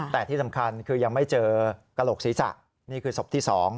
แต่ที่สำคัญคือยังไม่เจอกระโหลกศีรษะนี่คือศพที่๒